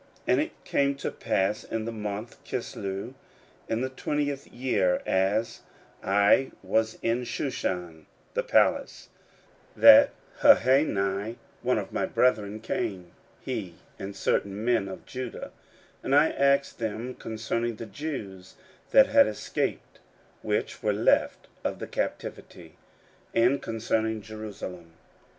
And it came to pass in the month Chisleu, in the twentieth year, as I was in Shushan the palace, 16:001:002 That Hanani, one of my brethren, came, he and certain men of Judah; and I asked them concerning the Jews that had escaped, which were left of the captivity, and concerning Jerusalem.